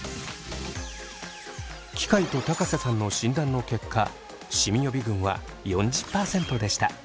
機械と瀬さんの診断の結果シミ予備軍は４０％でした。